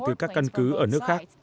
từ các căn cứ ở nước khác